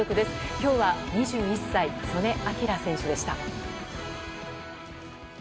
今日は２１歳、素根輝選手でした。